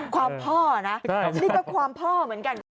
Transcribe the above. ความพ่อนะนี่ก็ความพ่อเหมือนกัน